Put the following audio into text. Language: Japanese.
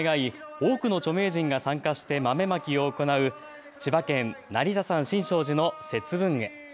多くの著名人が参加して豆まきを行う千葉県成田山新勝寺の節分会。